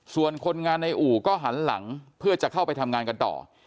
ส่วนคนงานในอู่ก็หันหลังเพื่อจะเข้าไปทำงานกันต่อ